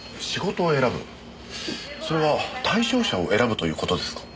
それは対象者を選ぶという事ですか？